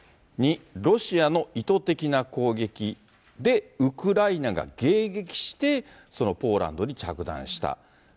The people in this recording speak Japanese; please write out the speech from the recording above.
２、ロシアの意図的な攻撃でウクライナが迎撃してそのポーランドに着弾した。